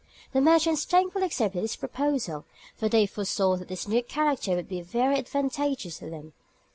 The merchants thankfully accepted his proposal, for they foresaw that this new character would be very advantageous to them.